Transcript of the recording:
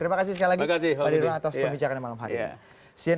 terima kasih sekali lagi pak dino atas perbicaraannya malam hari ini